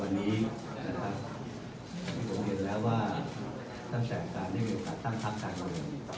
วันนี้นะครับผมเห็นแล้วว่าตั้งแต่การได้ตั้งพักการเมือง